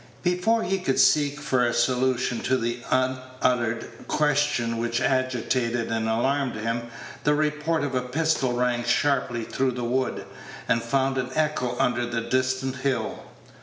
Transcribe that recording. Before he could seek for a solution to the unuttered question which agitated and alarmed him, the report of a pistol rang sharply through the wood, and found an echo under a distant hill.